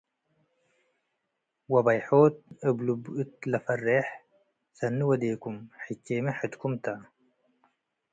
ወበይሖት እብ ልቡ እት ልፈሬ'ሕ፤ “ሰኒ ወዴኩም፡ ሕቼ'መ ሕትኩም ተ።